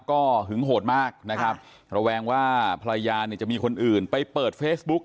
ก็หึงโหดมากนะครับระแวงว่าภรรยาเนี่ยจะมีคนอื่นไปเปิดเฟซบุ๊ก